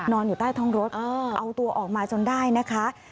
อยู่ใต้ท้องรถเอาตัวออกมาจนได้นะคะ